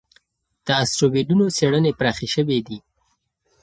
د اسټروېډونو څېړنې پراخې شوې دي.